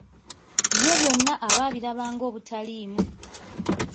Ye byonna aba abirabanga ng'obutaliimu!